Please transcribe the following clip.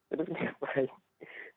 terus enggak apa apa